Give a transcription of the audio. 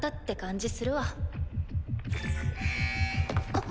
あっ。